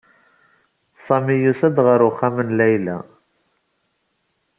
Sami yusa-d ɣer uxxam n Layla.